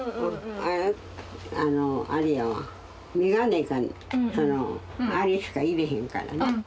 あれやわ眼鏡かあれしか入れへんからね。